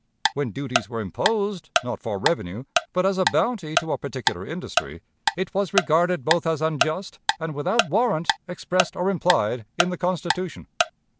When duties were imposed, not for revenue, but as a bounty to a particular industry, it was regarded both as unjust and without warrant, expressed or implied, in the Constitution.